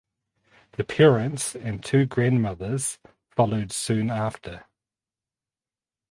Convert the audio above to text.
The parents and two grandmothers followed soon after.